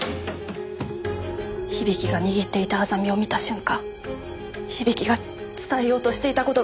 響が握っていたアザミを見た瞬間響が伝えようとしていた事がわかったんです。